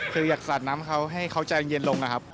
คืออยากสาดน้ำเขาให้เขาใจเย็นลงนะครับ